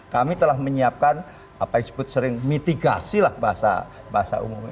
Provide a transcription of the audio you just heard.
kami telah menyiapkan apa yang disebut sering mitigasi lah bahasa umumnya